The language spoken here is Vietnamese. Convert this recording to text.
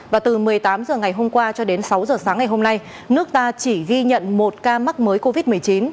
và từ một mươi tám h ngày hôm qua cho đến sáu h sáng ngày hôm nay nước ta chỉ ghi nhận một ca mắc mới covid một mươi chín